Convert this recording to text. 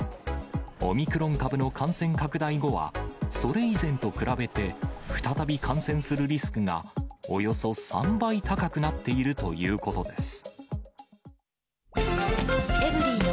オミクロン株の感染拡大後は、それ以前と比べて、再び感染するリスクがおよそ３倍高くなっているということです。